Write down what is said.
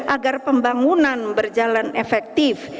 agar pembangunan berjalan efektif